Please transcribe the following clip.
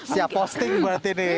siap posting berarti nih